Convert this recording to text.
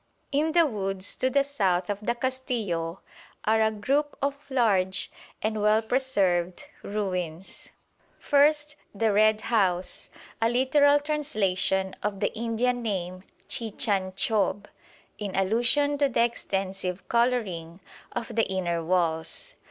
In the woods to the south of the Castillo are a group of large and well preserved ruins. First the "Red House," a literal translation of the Indian name Chichanchob, in allusion to the extensive colouring of the inner walls.